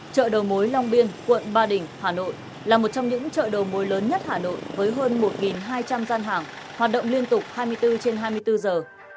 chợ đầu mối long biên quận ba đình hà nội là một trong những chợ đầu mối lớn nhất hà nội với hơn một hai trăm linh gian hàng hoạt động liên tục hai mươi bốn trên hai mươi bốn giờ